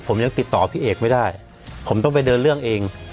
ผมยังติดต่อพี่เอกไม่ได้ผมต้องไปเดินเรื่องเอง